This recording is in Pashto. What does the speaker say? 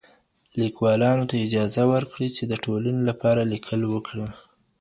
ليکوالانو ته اجازه ورکړئ چي د ټولني لپاره ليکل وکړي.